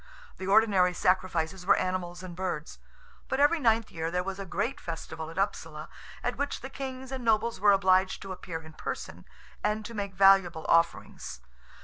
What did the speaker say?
The ordinary sacrifices were animals and birds; but every ninth year there was a great festival at Upsala, at which the kings and nobles were obliged to appear in person, and to make valuable offerings.